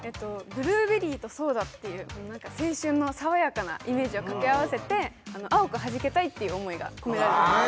ブルーベリーとソーダっていう青春のさわやかなイメージを掛け合わせて青くはじけたいっていう思いが込められてます